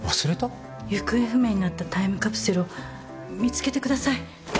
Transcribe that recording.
行方不明になったタイムカプセルを見つけてください！